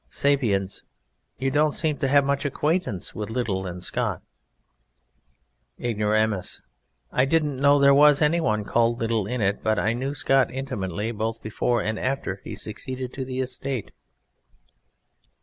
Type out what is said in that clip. SAPIENS. You don't seem to have much acquaintance with Liddell and Scott. IGNORAMUS. I didn't know there was anyone called Liddell in it, but I knew Scott intimately, both before and after he succeeded to the estate.